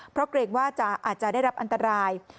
เพราะเกรงว่าอาจจะได้รับอันตราย